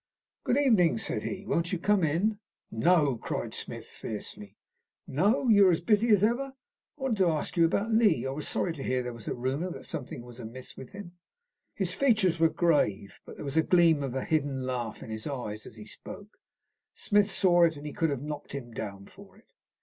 "Good evening," said he. "Won't you come in?" "No," cried Smith, fiercely. "No? You are busy as ever? I wanted to ask you about Lee. I was sorry to hear that there was a rumour that something was amiss with him." His features were grave, but there was the gleam of a hidden laugh in his eyes as he spoke. Smith saw it, and he could have knocked him down for it.